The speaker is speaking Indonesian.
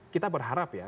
kita berharap ya